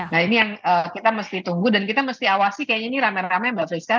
nah ini yang kita mesti tunggu dan kita mesti awasi kayaknya ini rame rame mbak friska